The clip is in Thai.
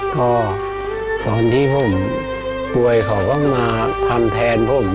ก็ตอนที่ผมป่วยเขาก็มาทำแทนผม